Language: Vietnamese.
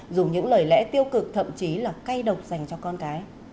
dùng những lời lẽ tiêu cực thậm chí là cay độc dành cho con cái